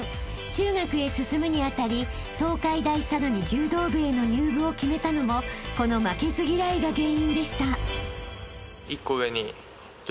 ［中学へ進むに当たり東海大相模柔道部への入部を決めたのもこの負けず嫌いが原因でした］